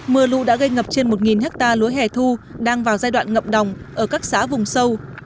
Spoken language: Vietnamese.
mưa lũ đã gây ngập trên một ha lúa hẻ thu đang vào giai đoạn ngập đồng ở các xã vùng sâu